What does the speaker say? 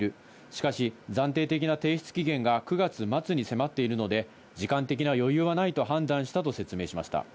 しかし、暫定的な提出期限が９月末に迫っているので時間的な余裕はないと判断したと説明しました。